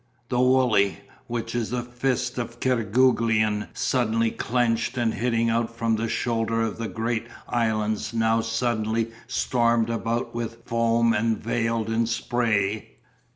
The Wooley, which is the fist of Kerguelen suddenly clenched and hitting out from the shoulder of the great islands now suddenly stormed about with foam and veiled in spray.